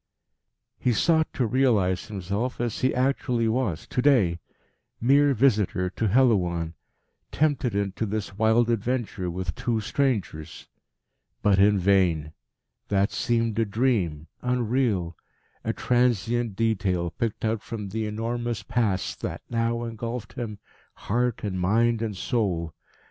He sought to realise himself as he actually was to day mere visitor to Helouan, tempted into this wild adventure with two strangers. But in vain. That seemed a dream, unreal, a transient detail picked out from the enormous Past that now engulfed him, heart and mind and soul.